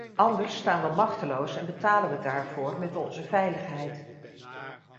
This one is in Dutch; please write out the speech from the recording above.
Anders staan we machteloos en betalen we daarvoor met onze veiligheid.